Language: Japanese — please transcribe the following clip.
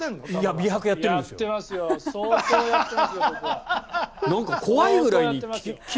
美白やってるんですよ。